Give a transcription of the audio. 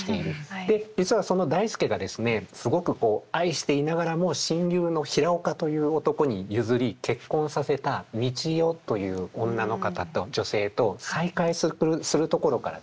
で実はその代助がですねすごく愛していながらも親友の平岡という男に譲り結婚させた三千代という女の方と女性と再会するところからですね